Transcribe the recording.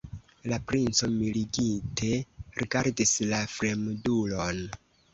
La princo mirigite rigardis la fremdulon.